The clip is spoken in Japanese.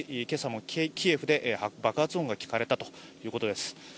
今朝もキエフで爆発音が聞かれたということです。